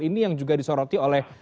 ini yang juga disoroti oleh